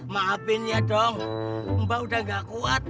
maafin ya dong mbak udah gak kuat